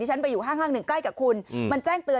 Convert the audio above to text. ฉันไปอยู่ห้างหนึ่งใกล้กับคุณมันแจ้งเตือน